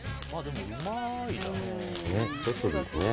ちょっといいですね。